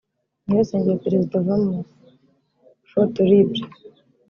nyirasenge wa perezida Obama (foto libre